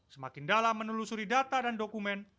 semakin dalam menelusuri data dan dokumen